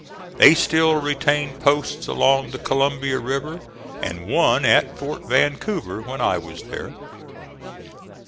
They still retained posts along the Columbia River and one at Fort Vancouver, when I was there.